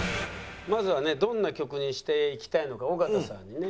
まずはねどんな曲にしていきたいのか尾形さんにね。